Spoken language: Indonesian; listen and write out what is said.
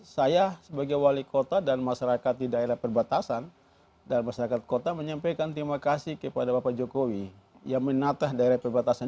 saya sebagai wali kota dan masyarakat di daerah perbatasan dan masyarakat kota menyampaikan terima kasih kepada bapak jokowi yang menatah daerah perbatasan